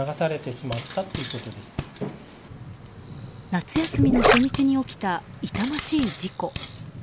夏休みの初日に起きた痛ましい事故。